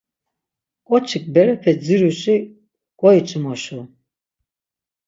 Ǩoçik berepe ziruşi goyç̌imoşu.